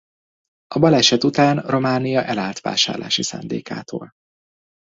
A baleset után Románia elállt vásárlási szándékától.